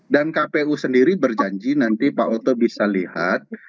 dan kpu sendiri berjanji nanti pak otto bisa lihat